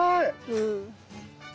うん。